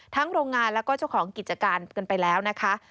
โรงงานแล้วก็เจ้าของกิจการกันไปแล้วนะคะ